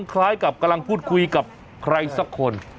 คล้ายกับกำลังพูดคุยกับใครสักคน